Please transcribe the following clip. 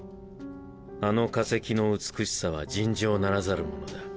あの化石の美しさは尋常ならざるものだ。